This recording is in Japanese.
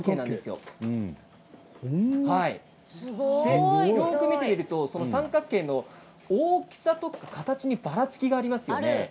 よく見てみると三角形の大きさや形にばらつきがありますよね。